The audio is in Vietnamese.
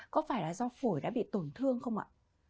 có phải là do phổi đã bị tổn thương không ạ